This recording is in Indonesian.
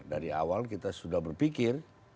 dari awal kita sudah berpikir